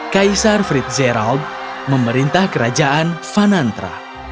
kaisar fritz zerald memerintah kerajaan vanantra